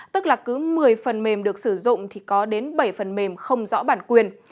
tức là cứ một mươi phần mềm được sử dụng thì có đến bảy phần mềm không rõ bản quyền